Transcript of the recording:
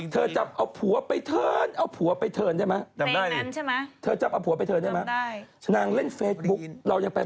จับเอาผัวไปเทิร์นเอาผัวไปเทิร์นได้ไหม